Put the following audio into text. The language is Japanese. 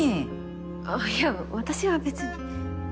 あっいや私はべつに。